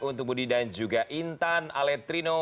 untuk budi dan juga intan aletrino